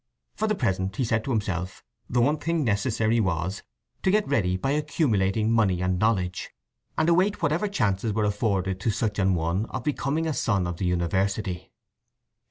For the present, he said to himself, the one thing necessary was to get ready by accumulating money and knowledge, and await whatever chances were afforded to such an one of becoming a son of the University.